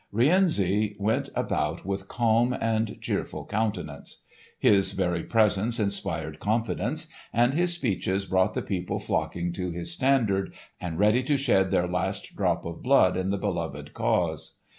Rienzi went about with calm and cheerful countenance. His very presence inspired confidence, and his speeches brought the people flocking to his standard and ready to shed their last drop of blood in the beloved cause.